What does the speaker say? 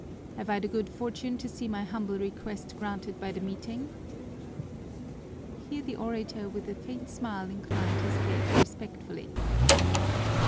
Have I the good fortune to see my humble request granted by the meeting?" Here the orator with a faint smile inclined his head respectfully.